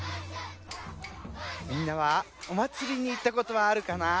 みんなはおまつりにいったことはあるかな？